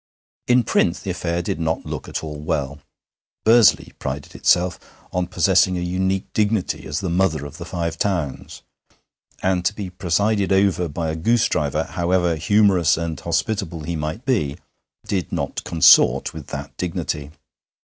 In print the affair did not look at all well. Bursley prided itself on possessing a unique dignity as the 'Mother of the Five Towns,' and to be presided over by a goosedriver, however humorous and hospitable he might be, did not consort with that dignity.